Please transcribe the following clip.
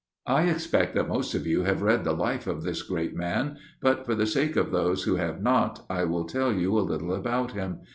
I expect that most of you have read the life of this great man, but for the sake of those who have not, I will tell you a little about him.